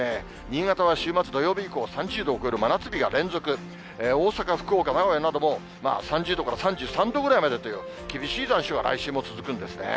新潟は週末、土曜日以降、３０度を超える真夏日が連続、大阪、福岡、名古屋なども、３０度から３３度ぐらいまでという、厳しい残暑が来週も続くんですね。